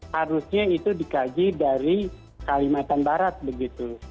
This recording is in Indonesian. harusnya itu dikaji dari kalimantan barat begitu